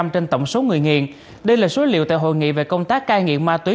năm trên tổng số người nghiện đây là số liệu tại hội nghị về công tác cai nghiện ma túy